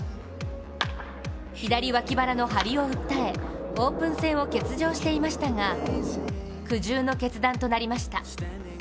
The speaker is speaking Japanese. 左脇腹の張りを訴え、オープン戦を欠場していましたが苦渋の決断となりました。